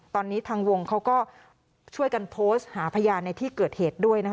ตอนนี้ทางวงเขาก็ช่วยกันโพสต์หาพยานในที่เกิดเหตุด้วยนะคะ